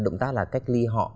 động tác là cách ly họ